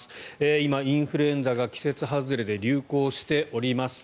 今、インフルエンザが季節外れで流行しております。